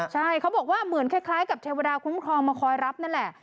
ใช่เขาบอกว่าเหมือนคล้ายกับเทวดาคุ้มครองมาคอยรับนั่นแหละ